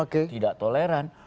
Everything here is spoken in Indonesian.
dan tidak toleran